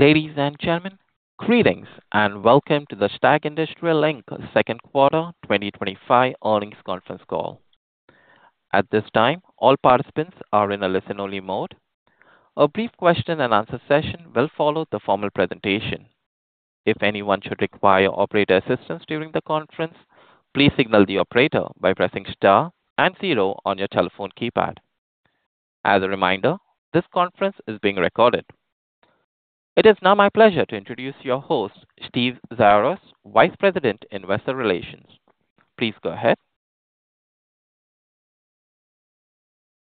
Ladies and gentlemen, greetings, and welcome to the STAG Industrial Inc. Second Quarter twenty twenty five Earnings Conference Call. At this time, all participants are in a listen only mode. A brief question and answer session will follow the formal presentation. As a reminder, this conference is being recorded. It is now my pleasure to introduce your host, Steve Zairos, Vice President, Investor Relations. Please go ahead.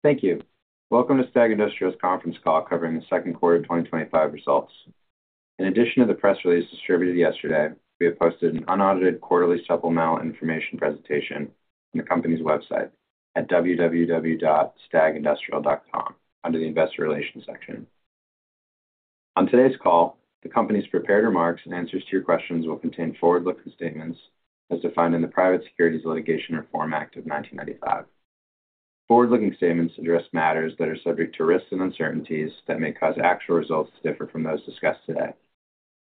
Thank you. Welcome to STAG Industrial's conference call covering the second quarter twenty twenty five results. In addition to the press release distributed yesterday, we have posted an unaudited quarterly supplemental information presentation on the company's website at www.stagindustrial.com under the Investor Relations section. On today's call, the company's prepared remarks and answers to your questions will contain forward looking statements as defined in the Private Securities Litigation Reform Act of 1995. Forward looking statements address matters that are subject to risks and uncertainties that may cause actual results to differ from those discussed today.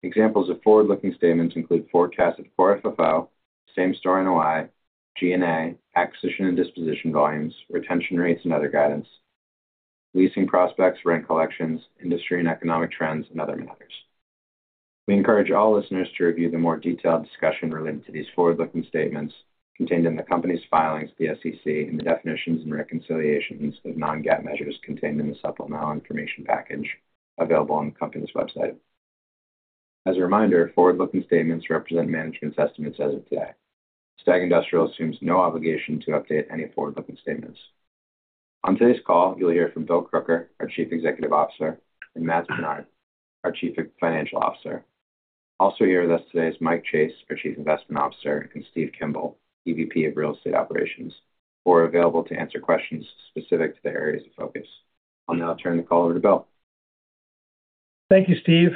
Examples of forward looking statements include forecasted core FFO, same store NOI, G and A, acquisition and disposition volumes, retention rates and other guidance, leasing prospects, rent collections, industry and economic trends and other matters. We encourage all listeners to review the more detailed discussion related to these forward looking statements contained in the company's filings with the SEC and the definitions and reconciliations of non GAAP measures contained in the supplemental information package available on the company's website. As a reminder, forward looking statements represent management's estimates as of today. STAG Industrial assumes no obligation to update any forward looking statements. On today's call, you'll hear from Bill Crooker, our Chief Executive Officer and Matt Sinnard, our Chief Financial Officer. Also here with us today is Mike Chase, our Chief Investment Officer and Steve Kimball, EVP of Real Estate Operations, who are available to answer questions specific to their areas of focus. I'll now turn the call over to Bill. Thank you, Steve.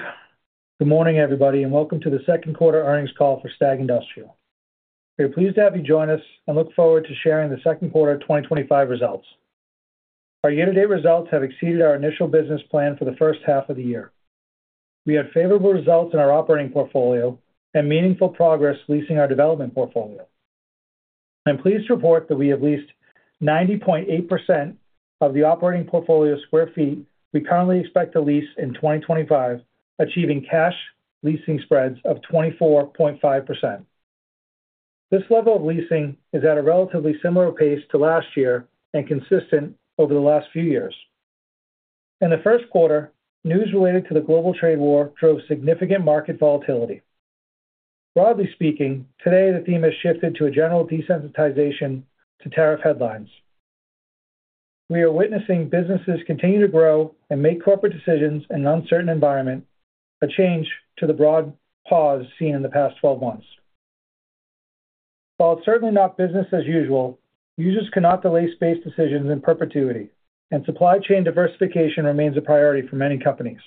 Good morning, everybody, and welcome to the second quarter earnings call for STAG Industrial. We're pleased to have you join us and look forward to sharing the second quarter twenty twenty five results. Our year to date results have exceeded our initial business plan for the first half of the year. We had favorable results in our operating portfolio and meaningful progress leasing our development portfolio. I'm pleased to report that we have leased 90.8% of the operating portfolio square feet we currently expect to lease in 2025 achieving cash leasing spreads of 24.5%. This level of leasing is at a relatively similar pace to last year and consistent over the last few years. In the first quarter, news related to the global trade war drove significant market volatility. Broadly speaking, today the theme has shifted to a general desensitization to tariff headlines. We are witnessing businesses continue to grow and make corporate decisions in an uncertain environment, a change to the broad pause seen in the past twelve months. While it's certainly not business as usual, users cannot delay space decisions in perpetuity and supply chain diversification remains a priority for many companies.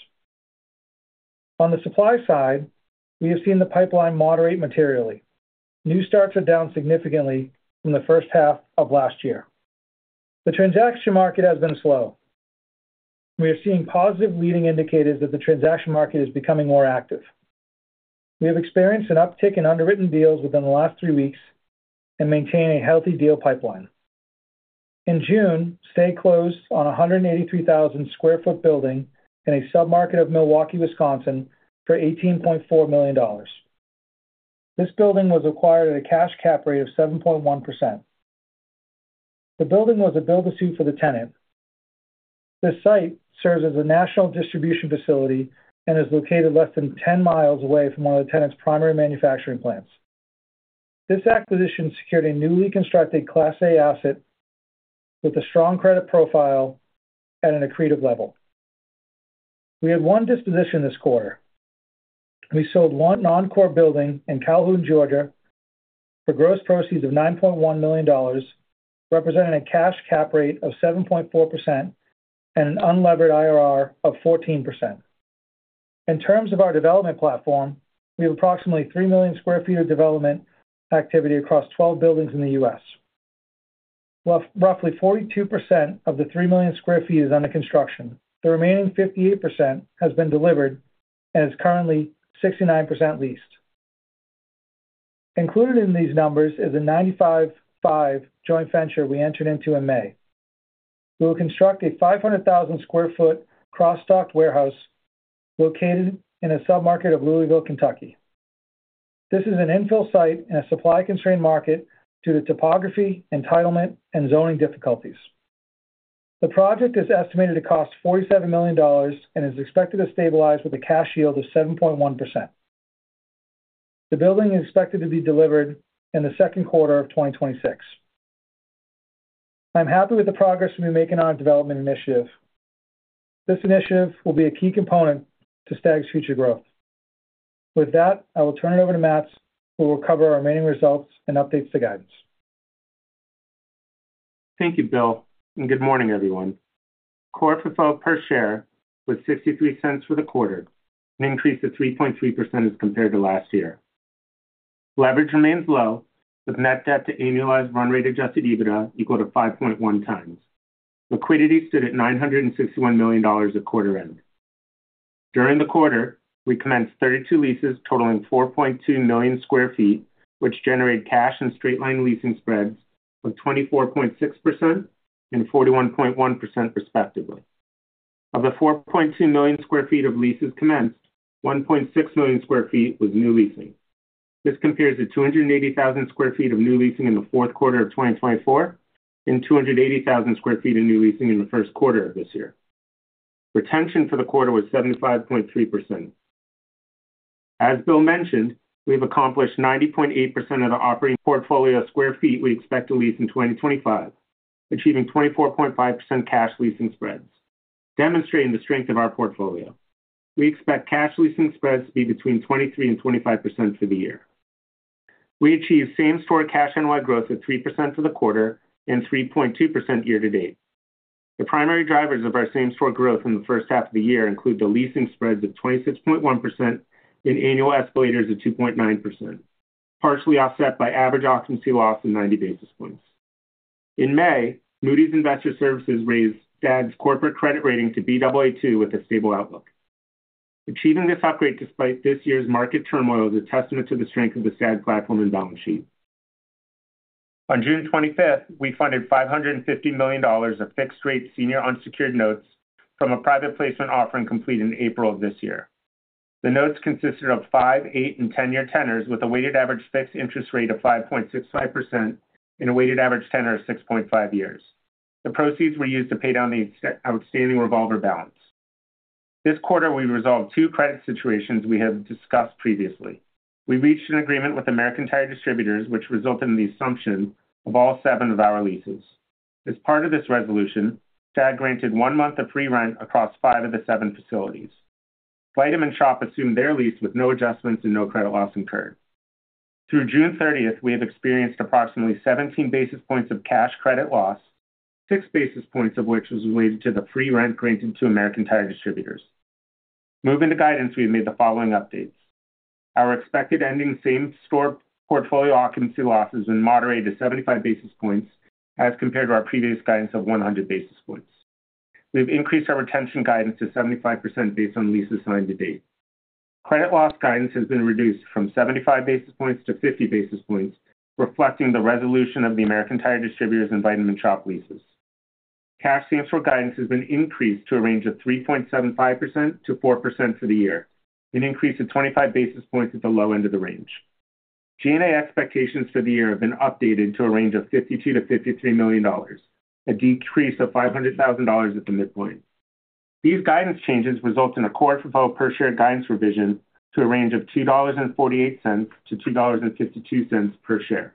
On the supply side, we have seen the pipeline moderate materially. New starts are down significantly from the first half of last year. The transaction market has been slow. We are seeing positive leading indicators that the transaction market is becoming more active. We have experienced an uptick in underwritten deals within the last three weeks and maintain a healthy deal pipeline. In June, State closed on a 183,000 square foot building in a submarket of Milwaukee, Wisconsin for $18,400,000 This building was acquired at a cash cap rate of 7.1%. The building was a build to suit for the tenant. This site serves as a national distribution facility and is located less than 10 miles away from one of the tenant's primary manufacturing plants. This acquisition secured a newly constructed Class A asset with a strong credit profile at an accretive level. We had one disposition this quarter. We sold one non core building in Calhoun, Georgia for gross proceeds of $9,100,000 representing a cash cap rate of 7.4% and an unlevered IRR of 14%. In terms of our development platform, we have approximately 3,000,000 square feet of development activity across 12 buildings in The US. Roughly 42% of the 3,000,000 square feet is under construction. The remaining 58% has been delivered and is currently 69% leased. Included in these numbers is a 95.5 joint venture we entered into in May. We will construct a 500,000 square foot cross stocked warehouse located in a submarket of Louisville, Kentucky. This is an infill site in a supply constrained market due to topography, entitlement and zoning difficulties. The project is estimated to cost $47,000,000 and is expected to stabilize with a cash yield of 7.1%. The building is expected to be delivered in the 2026. I'm happy with the progress we've been making on our development initiative. This initiative will be a key component to STAG's future growth. With that, I will turn it over to Mats who will cover our remaining results and updates the guidance. Thank you, Bill, and good morning, everyone. Core FFO per share was $0.53 for the quarter, an increase of 3.3% as compared to last year. Leverage remains low with net debt to annualized run rate adjusted EBITDA equal to 5.1 times. Liquidity stood at $961,000,000 at quarter end. During the quarter, we commenced 32 leases totaling 4,200,000 square feet, which generate cash and straight line leasing spreads of 24.641.1% respectively. Of the 4,200,000 square feet of leases commenced, 1,600,000 square feet was new leasing. This compares to 280,000 square feet of new leasing in the 2024 and two hundred 80,000 square feet of new leasing in the first quarter of this year. Retention for the quarter was 75.3%. As Bill mentioned, we've accomplished 90.8% of the operating portfolio square feet we expect to lease in 2025, achieving 24.5% cash leasing spreads, demonstrating the strength of our portfolio. We expect cash leasing spreads to be between 2325% for the year. We achieved same store cash NOI growth of 3% for the quarter and 3.2% year to date. The primary drivers of our same store growth in the first half of the year include the leasing spreads of 26.1% in annual escalators of 2.9%, partially offset by average occupancy loss of 90 basis points. In May, Moody's Investor Services raised SDAD's corporate credit rating to BAA2 with a stable outlook. Achieving this upgrade despite this year's market turmoil is a testament to the strength of the SDAD platform and balance sheet. On June 25, we funded $550,000,000 of fixed rate senior unsecured notes from a private placement offering completed in April. The notes consisted of five, eight and ten year tenors with a weighted average fixed interest rate of 5.65% and a weighted average tenor of six point five years. The proceeds were used to pay down the outstanding revolver balance. This quarter we resolved two credit situations we have discussed previously. We reached an agreement with American Tire Distributors, which resulted in the assumption of all seven of our leases. As part of this resolution, SCAG granted one month of free rent across five of the seven facilities. Vitamin Shoppe assumed their lease with no adjustments and no credit loss incurred. Through June 30, we have experienced approximately 17 basis points of cash credit loss, six basis points of which was related to the free rent granted to American Tire Distributors. Moving to guidance, we have made the following updates. Our expected ending same store portfolio occupancy losses in moderate to 75 basis points as compared to our previous guidance of 100 basis points. We've increased our retention guidance to 75% based on leases signed to date. Credit loss guidance has been reduced from 75 basis points to 50 basis points, reflecting the resolution of the American Tire Distributors and Vitamin Shoppe leases. Cash guidance has been increased to a range of 3.75% to 4% for the year, an increase of 25 basis points at the low end of the range. G and A expectations for the year have been updated to a range of 52,000,000 to $53,000,000 a decrease of $500,000 at the midpoint. These guidance changes result in a core FFO per share guidance revision to a range of $2.48 to $2.52 per share,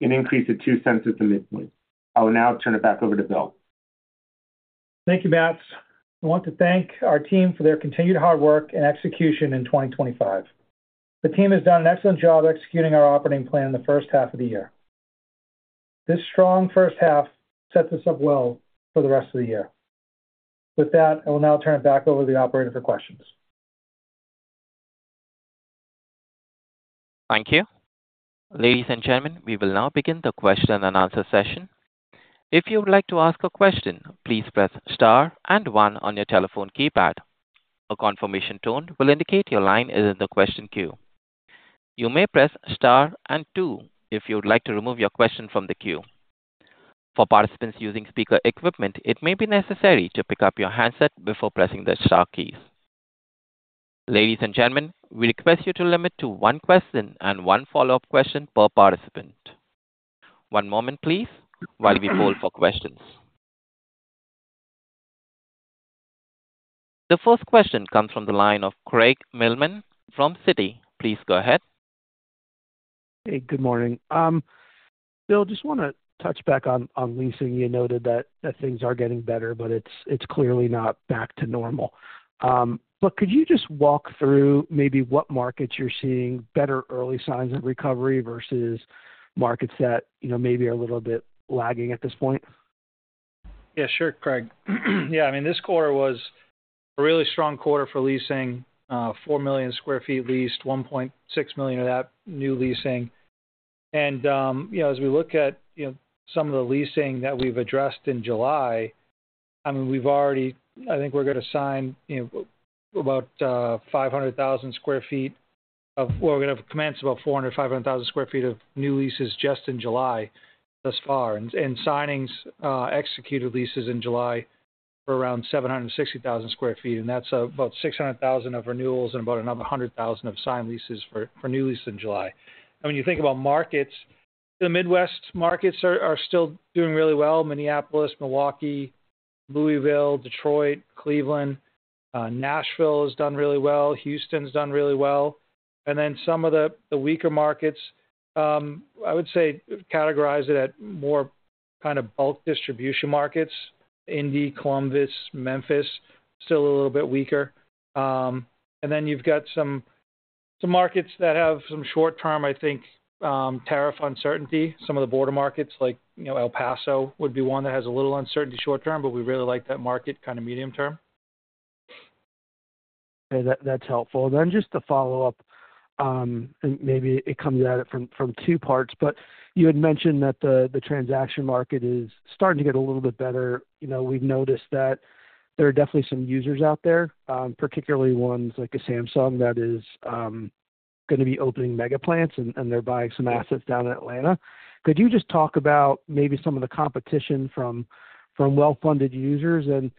an increase of $02 at the midpoint. I will now turn it back over to Bill. Thank you, Matt. I want to thank our team for their continued hard work and execution in 2025. The team has done an excellent job executing our operating plan in the first half of the year. This strong first half sets us up well for the rest of the year. With that, I will now turn it back over to the operator for questions. Thank you. Ladies and gentlemen, we will now begin the question and answer session. A confirmation tone will indicate your line is in the question queue. You may press star and two if you would like to remove your question from the queue. For participants using speaker equipment, it may be necessary to pick up your handset before pressing the star key. The The first question comes from the line of Craig Millman from Citi. Please go ahead. Hey, good morning. Bill, just want to touch back on leasing. You noted that things are getting better, but it's clearly not back to normal. But could you just walk through maybe what markets you're seeing better early signs of recovery versus markets that maybe a little bit lagging at this point? Yes. Sure, Craig. Yes. I mean, this quarter was a really strong quarter for leasing, 4,000,000 square feet leased, 1,600,000 of that new leasing. And as we look at some of the leasing that we've addressed in July, I mean, we've already I think we're gonna sign about 500,000 square feet of we're gonna commence about 400,000, 500,000 square feet of new leases just in July thus far, signings, executed leases in July for around 760,000 square feet, and that's about 600,000 of renewals and about another 100,000 of signed leases for new leases in July. And when you think about markets, the Midwest markets are still doing really well, Minneapolis, Milwaukee, Louisville, Detroit, Cleveland. Nashville has done really well. Houston's done really well. And then some of the weaker markets, I would say, categorize it at more kind of bulk distribution markets, Indy, Columbus, Memphis, still a little bit weaker. And then you've got some markets that have some short term, I think, tariff uncertainty, some of the border markets like El Paso would be one that has a little uncertainty short term, but we really like that market kind of medium term. That's helpful. And then just a follow-up, maybe it comes at it from two parts, but you had mentioned that the transaction market is starting to get a little bit better. We've noticed that there are definitely some users out there, particularly ones like a Samsung that is going to be opening mega plants and they're buying some assets down in Atlanta. Could you just talk about maybe some of the competition from well funded users and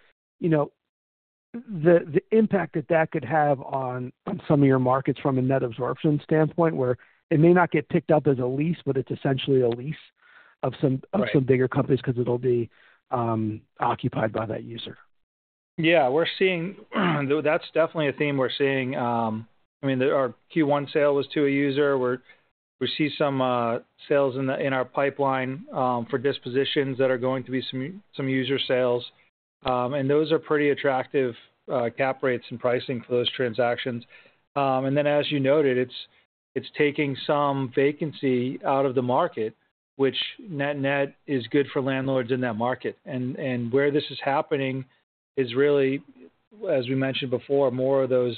impact that that could have on some of your markets from a net absorption standpoint where it may not get picked up as a lease but it's essentially a lease of some bigger companies because it'll be occupied by that user. Yeah. We're seeing that's definitely a theme we're seeing. I mean, our q one sale was to a user. We're we see some sales in our pipeline for dispositions that are going to be some user sales. And those are pretty attractive cap rates and pricing for those transactions. And then as you noted, it's taking some vacancy out of the market, which net net is good for landlords in that market. And where this is happening is really, as we mentioned before, more of those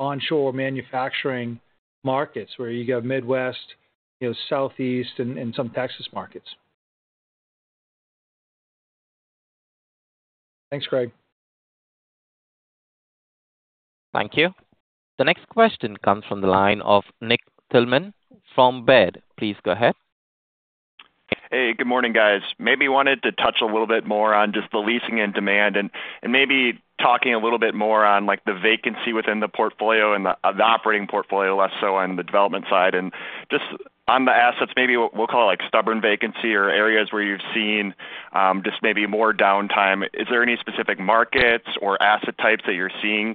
onshore manufacturing markets where you go Midwest, Southeast, and some Texas markets. Thanks, Craig. Thank you. The next question comes from the line of Nick Tillman from Baird. Please go ahead. Hey, good morning, guys. Maybe wanted to touch a little bit more on just the leasing and demand and maybe talking a little bit more on like the vacancy within the portfolio and the operating portfolio less so on the development side. And just on the assets, maybe we'll call it like stubborn vacancy or areas where you've seen just maybe more downtime. Is there any specific markets or asset types that you're seeing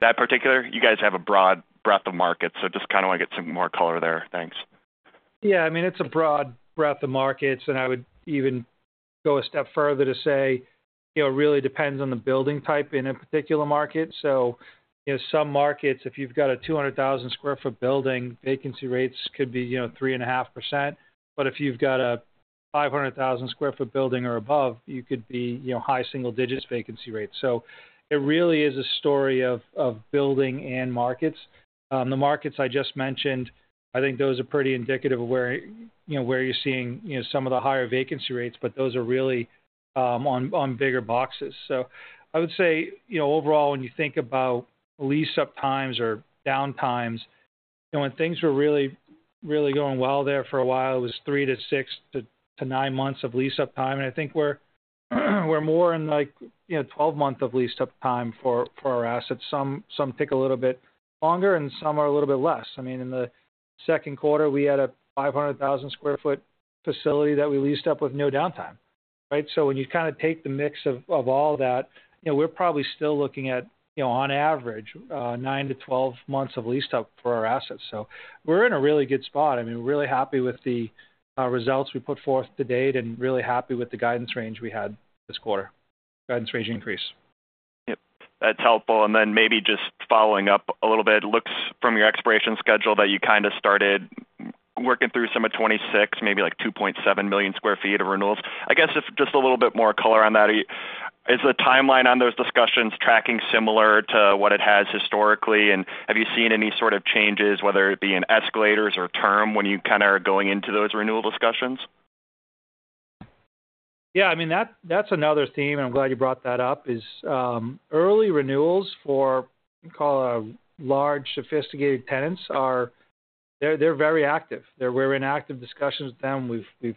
that particular? You guys have a broad breadth of markets, so just kind of want get some more color there. Thanks. Yeah, I mean, it's a broad breadth of markets, and I would even go a step further to say, it really depends on the building type in a particular market. So in some markets, if you've got a 200,000 square foot building, vacancy rates could be 3.5%. But if you've got a 500,000 square foot building or above, you could be high single digits vacancy rates. So it really is a story of building and markets. The markets I just mentioned, I think those are pretty indicative of where you're seeing some of the higher vacancy rates, but those are really on bigger boxes. So I would say, overall, when you think about lease up times or downtimes, when things were really, really going well there for a while, was three to six to nine months of lease up time. And I think we're more in like twelve months of lease up time for our assets. Some take a little bit longer and some are a little bit less. I mean, the second quarter, we had a 500,000 square foot facility that we leased up with no downtime, right? So when you kind of take the mix of all that, we're probably still looking at, on average, nine to twelve months of leased up for our assets. So we're in a really good spot. I mean, really happy with the results we put forth to date and really happy with the guidance range we had this quarter, guidance range increase. Yes, that's helpful. And then maybe just following up a little bit, it looks from your expiration schedule that you kind of started working through some of 26,000,000, maybe like 2,700,000 square feet of renewals. I guess just a little bit more color on that. The timeline on those discussions tracking similar to what it has historically? And have you seen any sort of changes, whether it be in escalators or term when you kind of are going into those renewal discussions? Yeah, I mean, that's another theme, I'm glad you brought that up, is early renewals for call it, large sophisticated tenants are they're very active. We're in active discussions with them. We've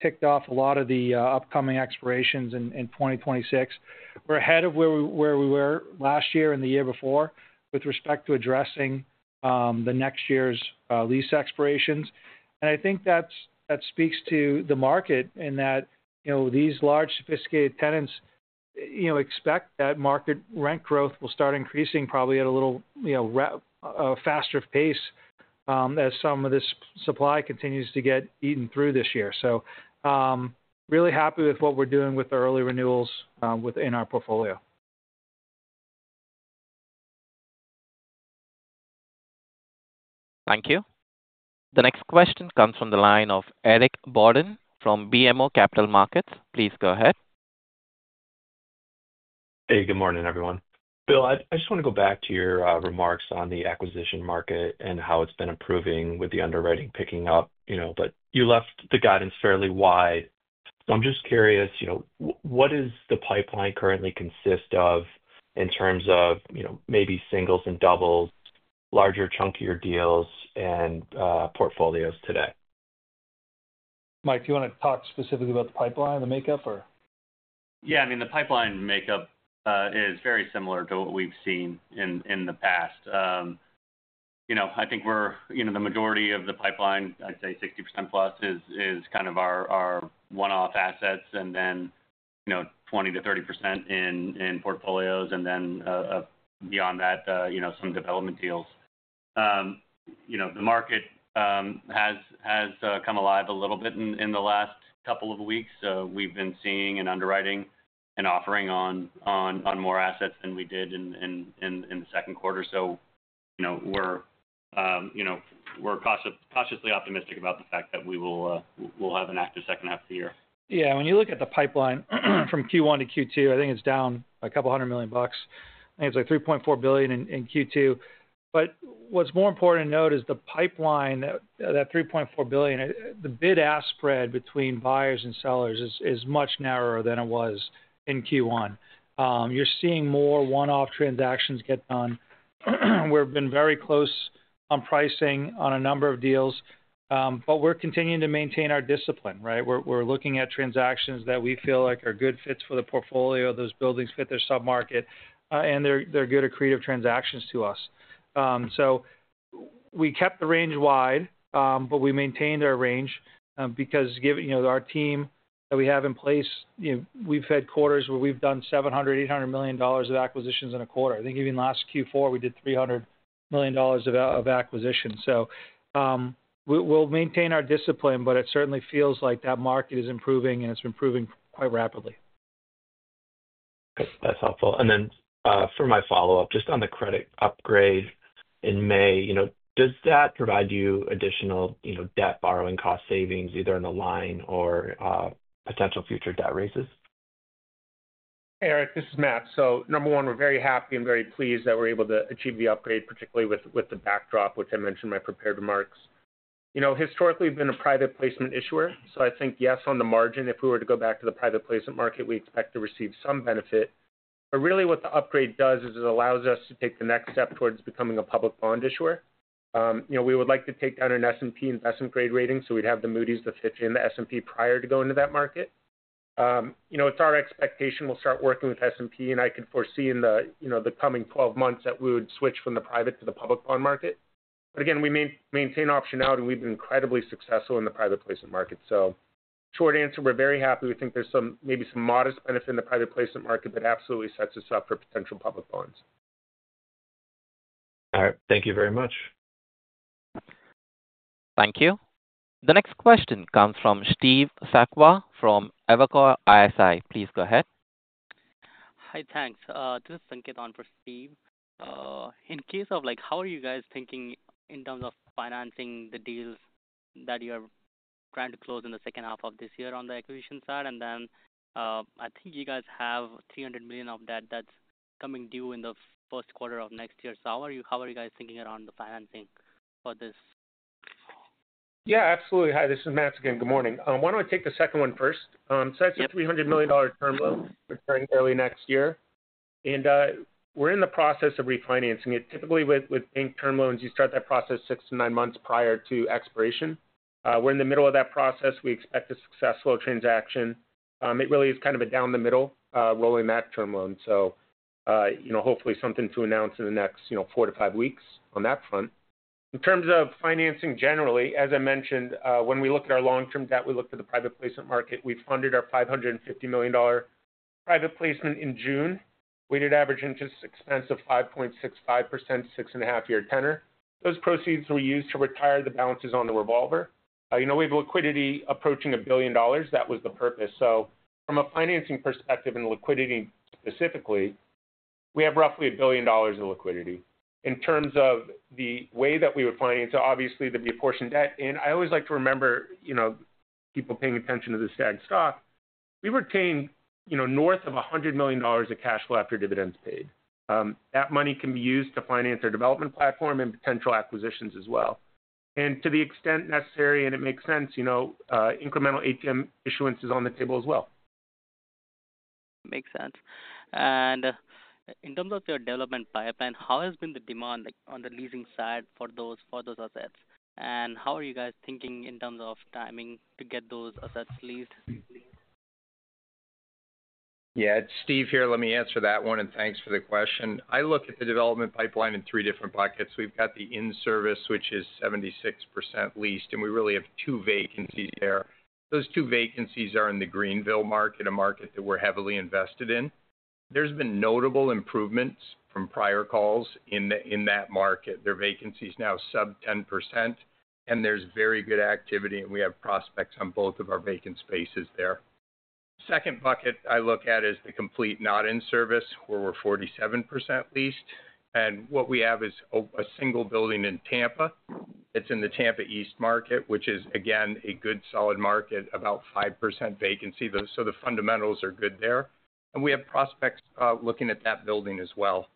ticked off a lot of the upcoming expirations in 2026. We're ahead of where were last year and the year before with respect to addressing the next year's lease expirations. And I think that speaks to the market and that these large sophisticated tenants expect that market rent growth will start increasing probably at a little faster pace as some of this supply continues to get eaten through this year. So really happy with what we're doing with the early renewals within our portfolio. Thank you. The next question comes from the line of Eric Borden from BMO Capital Markets. Please go ahead. Hey, good morning everyone. Bill, I just want to go back to your remarks on the acquisition market and how it's been improving with the underwriting picking up, but you left the guidance fairly wide. So I'm just curious, you know, what does the pipeline currently consist of in terms of, you know, maybe singles and doubles, larger chunkier deals and portfolios today? Mike, do want to talk specifically about the pipeline, the makeup or? Yeah, I mean, pipeline makeup is very similar to what we've seen in the past. I think we're the majority of the pipeline, I'd say 60% plus is kind of our one off assets and then 20% to 30% in portfolios and then beyond that some development deals. The market has come alive a little bit in the last couple of weeks. So we've been seeing an underwriting and offering on more assets than we did in the second quarter. We're cautiously optimistic about the fact that we will have an active second half of the year. Yes. When you look at the pipeline from Q1 to Q2, I think it's down a couple of $100,000,000. It's like $3,400,000,000 in Q2. But what's more important to note is the pipeline, that $3,400,000,000 the bid ask spread between buyers and sellers is much narrower than it was in Q1. You're seeing more one off transactions get done. We've been very close on pricing on a number of deals, but we're continuing to maintain our discipline, right? We're looking at transactions that we feel like are good fits for the portfolio, those buildings fit their sub market, and they're good accretive transactions to us. So we kept the range wide, but we maintained our range because given our team that we have in place, we've had quarters where we've done 700,000,000 $800,000,000 of acquisitions in a quarter. I think even last Q4 we did 300,000,000 of acquisitions. So we'll maintain our discipline, but it certainly feels like that market is improving and it's improving quite rapidly. That's helpful. And then for my follow-up, just on the credit upgrade in May, does that provide you additional debt borrowing cost savings either in the line or potential future debt raises? Eric, this is Matt. So number one, we're very happy and very pleased that we're able to achieve the upgrade, particularly with the backdrop, which I mentioned in my prepared remarks. You know, historically, we've been a private placement issuer, so I think, on the margin. If we were to go back to the private placement market, we expect to receive some benefit. But really what the upgrade does is it allows us to take the next step towards becoming a public bond issuer. We would like to take down an S and P investment grade rating, so we'd have the Moody's, the Fitch, and the S and P prior to going to that market. You know, it's our expectation we'll start working with S and P, and I can foresee in the coming twelve months that we would switch from the private to the public bond market. But again, we maintain optionality, and we've been incredibly successful in the private placement market. So short answer, we're very happy. We think there's maybe some modest benefit in the private placement market that absolutely sets us up for potential public bonds. All right, thank you very much. Thank you. The next question comes from Steve Sakwa from Evercore ISI. Please go ahead. Hi. Thanks. This is Sanket on for Steve. In case of, like, how are you guys thinking in terms of financing the deals that you're trying to close in the second half of this year on the acquisition side? And then I think you guys have 300,000,000 of that that's coming due in the first quarter of next year. So how are you how are you guys thinking around the financing for this? Yeah. Absolutely. Hi. This is Matt again. Good morning. Why don't I take the second one first? So that's a $300,000,000 term loan returning early next year, and we're in the process of refinancing it. Typically, with with bank term loans, you start that process six to nine months prior to expiration. We're in the middle of that process. We expect a successful transaction. It really is kind of a down the middle rolling back term loan. So hopefully something to announce in the next four to five weeks on that front. In terms of financing generally, as I mentioned, when we look at our long term debt, look at the private placement market. We funded our $550,000,000 private placement in June, weighted average interest expense of 5.65%, six point five year tenure. Those proceeds were used to retire the balances on the revolver. You know, we have liquidity approaching $1,000,000,000 that was the purpose. So from a financing perspective and liquidity specifically, we have roughly $1,000,000,000 of liquidity. In terms of the way that we would finance, obviously there'd be apportioned debt, and I always like to remember, you know, people paying attention to the SAG stock, we retain, you know, north of $100,000,000 of cash flow after dividends paid. That money can be used to finance their development platform and potential acquisitions as well. And to the extent necessary, and it makes sense, you know, incremental ATM issuance is on the table as well. Makes sense. And in terms of your development pipeline, how has been the demand, like, on the leasing side for those for those assets? And how are you guys thinking in terms of timing to get those assets leased? Yeah. It's Steve here. Let me answer that one, and thanks for the question. I look at the development pipeline in three different buckets. We've got the in service, which is 76% leased, and we really have two vacancies there. Those two vacancies are in the Greenville market, a market that we're heavily invested in. There's been notable improvements from prior calls in that market. Their vacancy is now sub 10% and there's very good activity and we have prospects on both of our vacant spaces there. Second bucket I look at is the complete not in service where we're 47% leased and what we have is a single building in Tampa. It's in the Tampa East market, which is again a good solid market, about 5% vacancy, so the fundamentals are good there. And we have prospects looking at that building as well.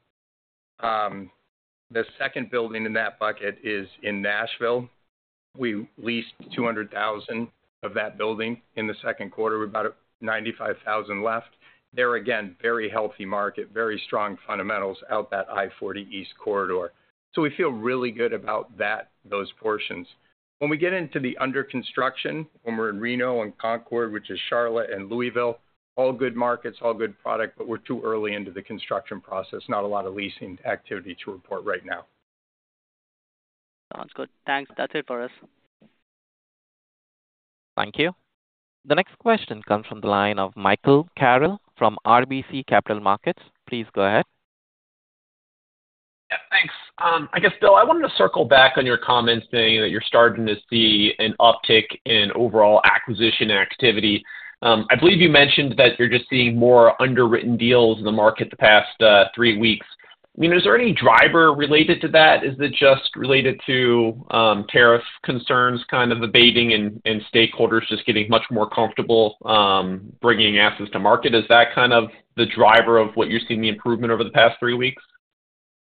The second building in that bucket is in Nashville. We leased 200,000 of that building in the second quarter with about 95,000 left. There again, very healthy market, very strong fundamentals out that I-forty East Corridor. So we feel really good about that, those portions. When we get into the under construction, when we're in Reno and Concord, which is Charlotte and Louisville, all good markets, all good product, but we're too early into the construction process. Not a lot of leasing activity to report right now. Sounds good. Thanks. That's it for us. Thank you. The next question comes from the line of Michael Carroll from RBC Capital Markets. Please go ahead. Thanks. I guess, Bill, I wanted to circle back on your comments saying that you're starting to see an uptick in overall acquisition activity. I believe you mentioned that you're just seeing more underwritten deals in the market the past three weeks. I mean, is there any driver related to that? Is that just related to tariff concerns kind of abating and stakeholders just getting much more comfortable bringing assets to market? Is that kind of the driver of what you're seeing the improvement over the past three weeks?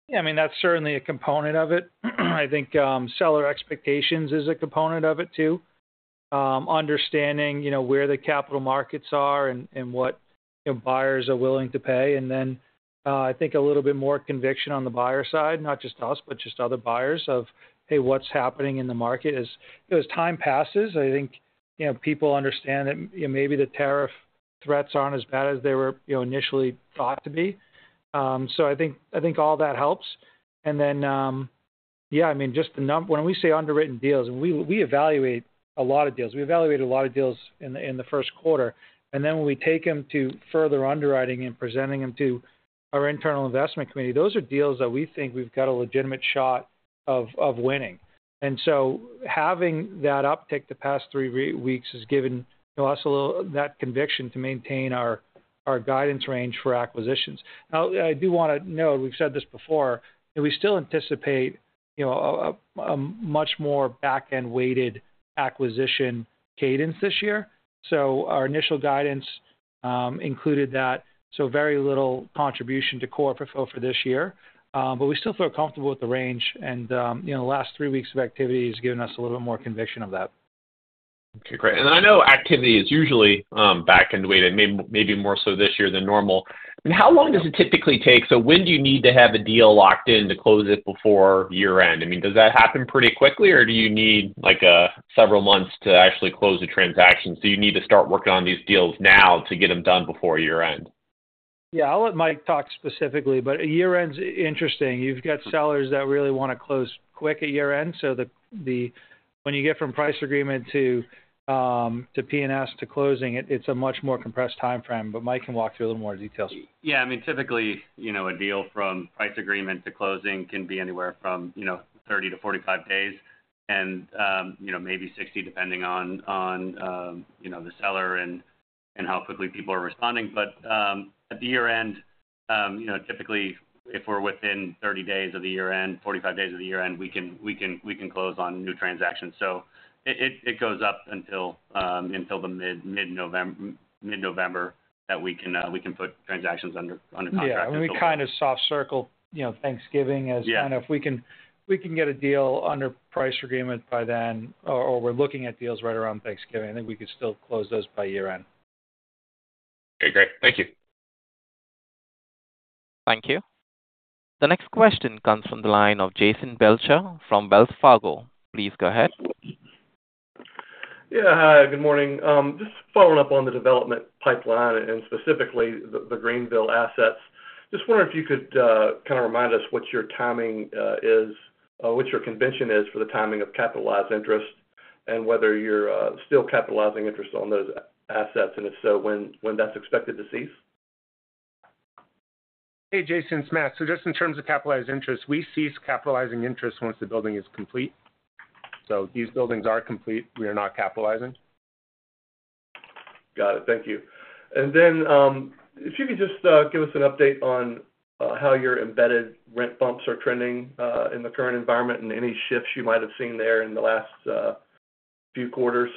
Yes, mean, that's certainly a component of it. I think seller expectations is a component of it too. Understanding where the capital markets are and what buyers are willing to pay. And then I think a little bit more conviction on the buyer side, not just us, but just other buyers of, hey, what's happening in the market? Time passes, I think people understand that maybe the tariff threats aren't as bad as they were initially thought to be. So I think all that helps. And then, yeah, I mean, just the number when we say underwritten deals, we evaluate a lot of deals. We evaluate a lot of deals in the first quarter. And then when we take them to further underwriting and presenting them to our internal investment committee, those are deals that we think we've got a legitimate shot of winning. And so having that uptick the past three weeks has given us a little that conviction to maintain our guidance range for acquisitions. I do want to note, we've said this before, that we still anticipate a much more back end weighted acquisition cadence this year. So our initial guidance included that. So very little contribution to core FFO for this year. But we still feel comfortable with the range and last three weeks of activity has given us a little more conviction of that. Okay, great. And I know activity is usually back end weighted, maybe more so this year than normal. And how long does it typically take? So when do you need to have a deal locked in to close it before year end? I mean, that happen pretty quickly? Or do you need like several months to actually close the transaction? So you need to start working on these deals now to get them done before year end? Yeah. I'll let Mike talk specifically, but year end is interesting. You've got sellers that really want to close quick at year end. So the when you get from price agreement to P and S to closing, it's a much more compressed time frame. But Mike can walk through a little more details. Yeah, mean typically, deal from price agreement to closing can be anywhere from thirty to forty five days and maybe sixty depending on the seller and how quickly people are responding. But at the year end, you know, typically, if we're within thirty days of the year end, forty five days of the year end, we can close on new transactions. So it goes up until the mid November that we can put transactions under contract. Yes, and we kind of soft circle Thanksgiving as kind of we can get a deal under price agreement by then or we're looking at deals right around Thanksgiving. I think we could still close those by year end. Okay, great. Thank you. Thank you. The next question comes from the line of Jason Belcher from Wells Fargo. Please go ahead. Yes. Hi, good morning. Just following up on the development pipeline and specifically the Greenville assets. Just wondering if you could kind of remind us what your timing is, what your convention is for the timing of capitalized interest and whether you're still capitalizing interest on those assets, and if so, when that's expected to cease? Hey Jason, it's Matt. So just in terms of capitalized interest, we cease capitalizing interest once the building is complete. So these buildings are complete, we are not capitalizing. Got it, thank you. And then if you could just give us an update on how your embedded rent bumps are trending in the current environment and any shifts you might have seen there in the last few quarters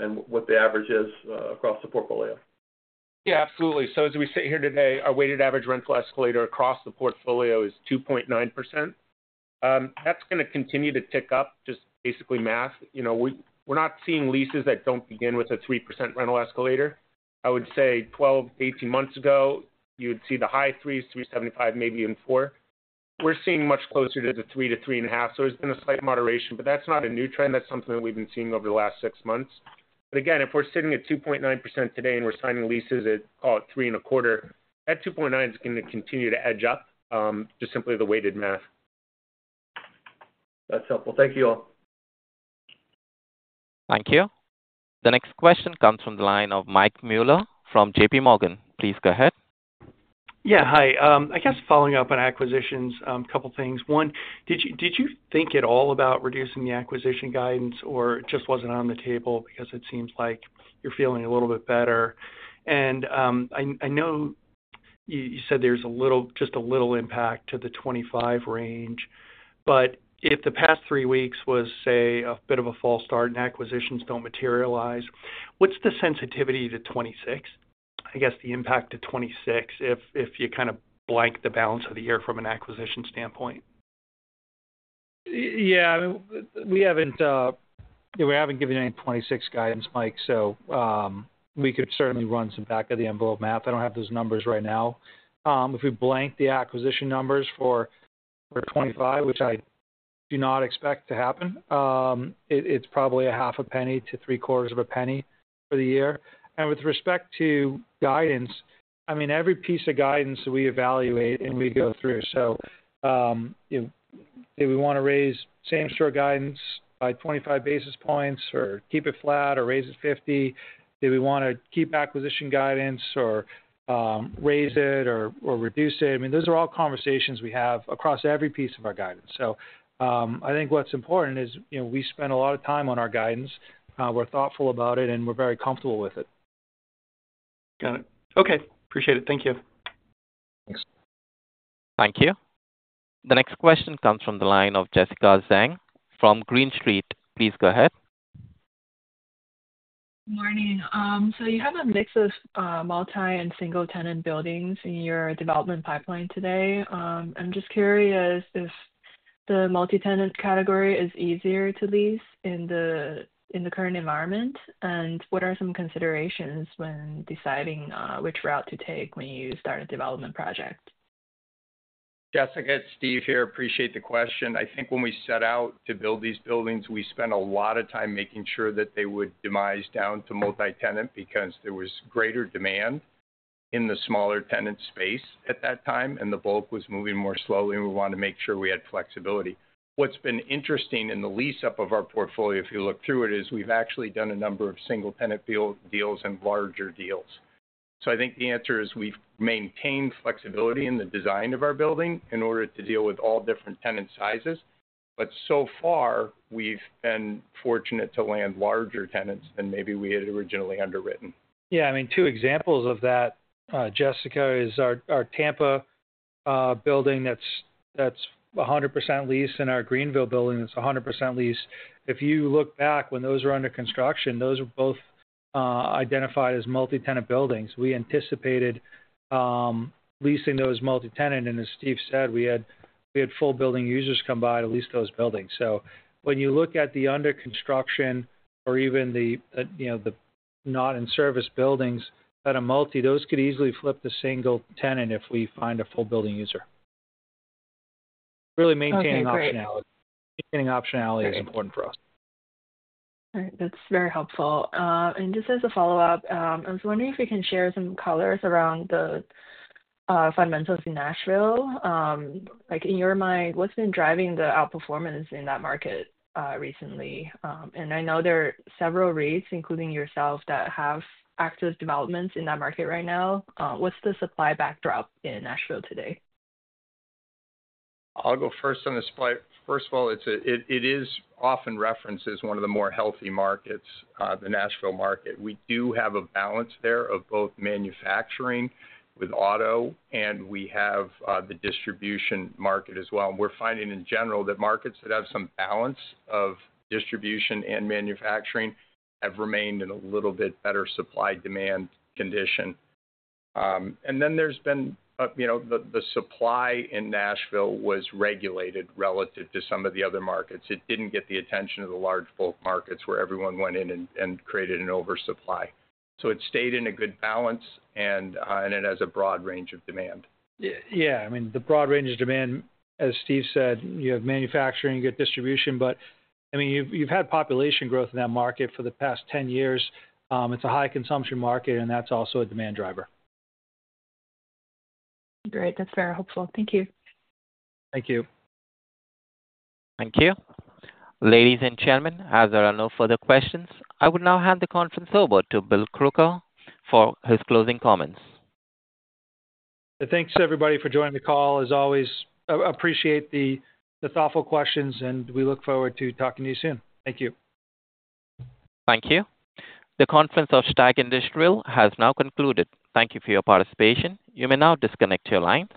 and what the average is across the portfolio? Yeah, absolutely. So as we sit here today, our weighted average rental escalator across the portfolio is 2.9%. That's going to continue to tick up, just basically math. We're not seeing leases that don't begin with a 3% rental escalator. I would say twelve, eighteen months ago, you'd see the high threes, three seventy five maybe even four. We're seeing much closer to the three to three and a half, so it's been a slight moderation. But that's not a new trend, that's something we've been seeing over the last six months. But again, if we're sitting at 2.9% today and we're signing leases at, call it, 3.25, that 2.9 is going to continue to edge up, just simply the weighted math. That's helpful. Thank you all. Thank you. The next question comes from the line of Mike Mueller from JPMorgan. Please go ahead. Yeah, hi. I guess following up on acquisitions, couple of things. One, did you think at all about reducing the acquisition guidance or just wasn't on the table because it seems like you're feeling a little bit better? And I know you said there's a little just a little impact to the 25 range. But if the past three weeks was, say, a bit of a false start and acquisitions don't materialize, what's the sensitivity to '26? I guess, the impact to '26 if you kind of blank the balance of the year from an acquisition standpoint? Yeah, we haven't given any 'twenty six guidance, Mike, so we could certainly run some back of the envelope math. I don't have those numbers right now. If we blank the acquisition numbers for '25, which I do not expect to happen, it's probably a half a penny to 3 quarters of a penny for the year. And with respect to guidance, I mean, every piece of guidance we evaluate and we go through. So if we wanna raise same store guidance by 25 basis points or keep it flat or raise it 50, if we wanna keep acquisition guidance or raise it or reduce it. I mean, those are all conversations we have across every piece of our guidance. So I think what's important is we spend a lot of time on our guidance. We're thoughtful about it and we're very comfortable with it. Got it. Okay, appreciate it. Thank you. Thanks. Thank you. The next question comes from the line of Jessica Zhang from Green Street. Please go ahead. Good morning. So you have a mix of multi and single tenant buildings in your development pipeline today. I'm just curious if the multi tenant category is easier to lease in the current environment. And what are some considerations when deciding which route to take when you start a development project? Jessica, it's Steve here. Appreciate the question. I think when we set out to build these buildings, we spent a lot of time making sure that they would demise down to multi tenant because there was greater demand in the smaller tenant space at that time and the bulk was moving more slowly and we wanted to make sure we had flexibility. What's been interesting in the lease up of our portfolio, if you look through it, is we've actually done a number of single tenant deals and larger deals. So I think the answer is we've maintained flexibility in the design of our building in order to deal with all different tenant sizes, but so far we've been fortunate to land larger tenants than maybe we had originally underwritten. Yeah. I mean, two examples of that, Jessica, is our Tampa building that's 100% leased and our Greenville building that's 100% leased. If you look back when those were under construction, those were both identified as multi tenant buildings. We anticipated leasing those multi tenant, and as Steve said, we had full building users come by to lease those buildings. So when you look at the under construction or even the not in service buildings that are multi, those could easily flip to single tenant if we find a full building user. Really maintaining optionality is important for us. That's very helpful. And just as a follow-up, I was wondering if you can share some colors around the fundamentals in Nashville. Like in your mind, what's been driving the outperformance in that market recently? I know there are several REITs, including yourself, that have active developments in that market right now. What's the supply backdrop in Nashville today? I'll go first on the supply. First of all, is often referenced as one of the more healthy markets, the Nashville market. We do have a balance there of both manufacturing with auto, and we have the distribution market as well. We're finding in general that markets that have some balance of distribution and manufacturing have remained in a little bit better supply demand condition. And then there's been the supply in Nashville was regulated relative to some of the other markets. It didn't get the attention of the large bulk markets where everyone went in and created an oversupply. So it stayed in a good balance and it has a broad range of demand. Yeah, I mean, the broad range of demand, as Steve said, you have manufacturing, you get distribution, but I mean, you've had population growth in that market for the past ten years. It's a high consumption market and that's also a demand driver. Great. That's very helpful. Thank you. Thank you. Thank you. Ladies and gentlemen, as there are no further questions, I would now hand the conference over to Bill Krueger for his closing comments. Thanks everybody for joining the call. As always, I appreciate the thoughtful questions, and we look forward to talking to you soon. Thank you. Thank you. The conference of STAG Industrial has now concluded. Thank you for your participation. You may now disconnect your lines.